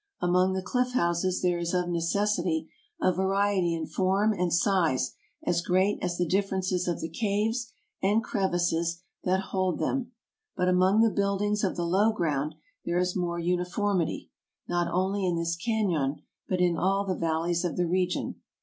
Among the cliff houses there is of necessity a variety in form and size as great as the differences of the caves and crevices that hold them; but among the buildings of the low ground there is more uniformity, not only in this canon but in all the val leys of the region.